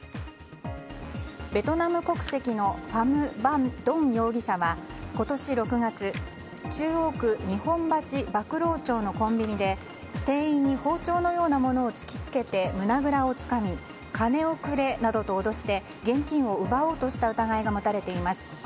ベトナム国籍のファム・バン・ドン容疑者は今年６月中央区日本橋馬喰町のコンビニで店員に包丁のようなものを突き付けて、胸ぐらをつかみ金をくれなどと脅して現金を奪おうとした疑いが持たれています。